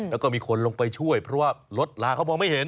แล้วก็มีคนลงไปช่วยเพราะว่ารถลาเขามองไม่เห็น